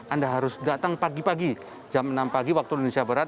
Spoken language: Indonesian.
anda harus datang pagi pagi jam enam pagi waktu indonesia barat